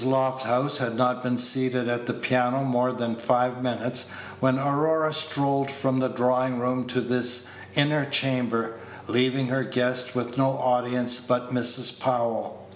Lofthouse had not been seated at the piano more than five minutes when Aurora strolled from the drawing room to this inner chamber, leaving her guest with no audience but Mrs. Powell.